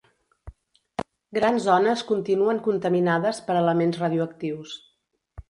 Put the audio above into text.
Gran zones continuen contaminades per elements radioactius.